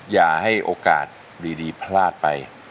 อย่าให้โอกาสดีพลาดไป